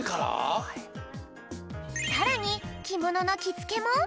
さらにきもののきつけも。